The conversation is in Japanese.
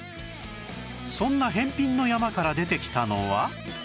そんな返品の山から出てきたのは